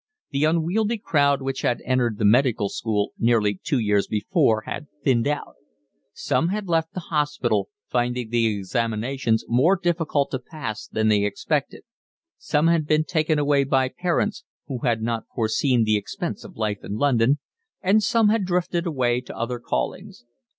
The unwieldy crowd which had entered the Medical School nearly two years before had thinned out: some had left the hospital, finding the examinations more difficult to pass than they expected, some had been taken away by parents who had not foreseen the expense of life in London, and some had drifted away to other callings.